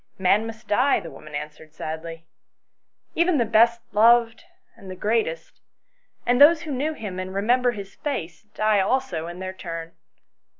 " Man must die," the woman answered sadly ;" even the best loved and the greatest, and those who knew him and remember his face die also in their turn.